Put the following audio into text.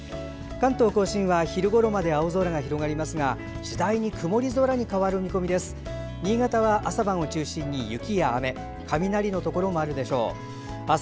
関東・甲信は昼ごろまで青空が広がりますが次第に曇り空に変わる見込みです。